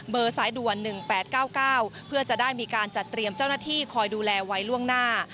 สายด่วน๑๘๙๙เพื่อจะได้มีการจัดเตรียมเจ้าหน้าที่คอยดูแลไว้ล่วงหน้า